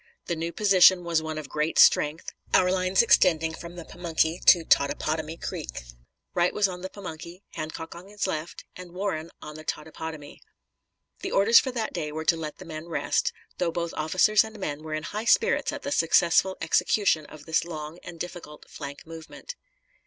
The new position was one of great strength, our lines extending from the Pamunkey to Totopotomoy Creek. Wright was on the Pamunkey, Hancock on his left, and Warren on the Totopotomoy. The orders for that day were to let the men rest, though both officers and men were in high spirits at the successful execution of this long and difficult flank movement.